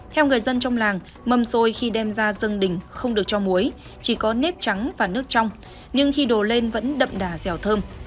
theo người dân trong làng mâm xôi khi đem ra dân đình không được cho muối chỉ có nếp trắng và nước trong nhưng khi đồ lên vẫn đậm đà dẻo thơm